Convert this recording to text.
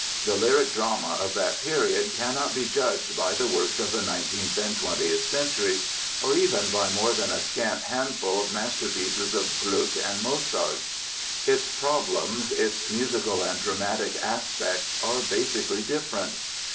The lyric drama of that period cannot be judged by the works of the 19th and 20th Centuries or even by more than a scant handful of masterpieces of Gluck and Mozart. Its problems, its musical and dramatic aspects are basically different.